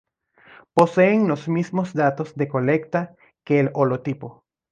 Poseen los mismos datos de colecta que el holotipo.